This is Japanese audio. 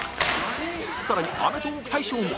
更にアメトーーク大賞も